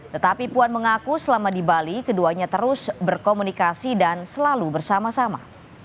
tetapi puan mengaku selama di bali keduanya terus berkomunikasi dan selalu bersama sama